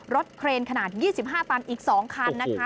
เครนขนาด๒๕ตันอีก๒คันนะคะ